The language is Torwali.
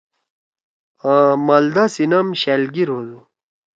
آں مالدا سی نام شألگیر ہودُو۔